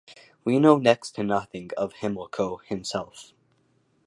We know next to nothing of Himilco himself.